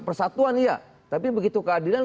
persatuan iya tapi begitu keadilan